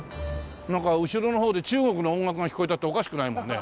なんか後ろの方で中国の音楽が聞こえたっておかしくないもんね。